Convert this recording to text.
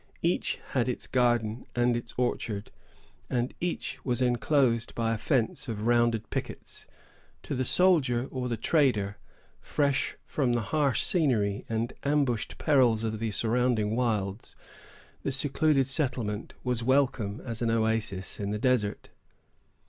Each had its garden and its orchard, and each was enclosed by a fence of rounded pickets. To the soldier or the trader, fresh from the harsh scenery and ambushed perils of the surrounding wilds, the secluded settlement was welcome as an oasis in the desert.